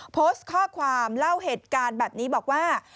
โพสต์ข้อความเล่าเหตุการณ์แบบนี้บอกว่า